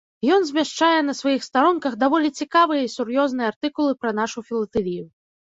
Ён змяшчае на сваіх старонках даволі цікавыя і сур'ёзныя артыкулы пра нашу філатэлію.